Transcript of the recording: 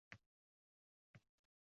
Ba’zan ishonasan, ba’zan ishonmaysan